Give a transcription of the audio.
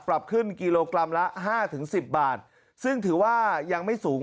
ปรับขึ้นกิโลกรัมละห้าถึงสิบบาทซึ่งถือว่ายังไม่สูง